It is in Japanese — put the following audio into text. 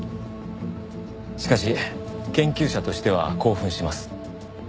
しかし研究者としては興奮します。